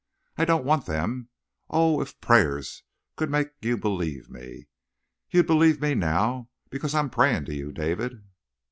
I don't want them. Oh, if prayers could make you believe, you'd believe me now; because I'm praying to you, David.